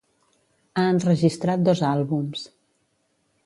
Ha enregistrat dos àlbums.